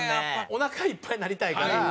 おなかいっぱいになりたいから。